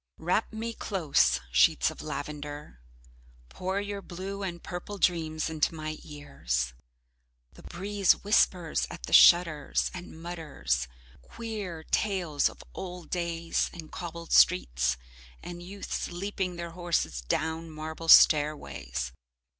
Wrap me close, sheets of lavender. Pour your blue and purple dreams into my ears. The breeze whispers at the shutters and mutters queer tales of old days, and cobbled streets, and youths leaping their horses down marble stairways.